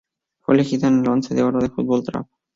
Fue elegida en el Once de oro de Fútbol Draft.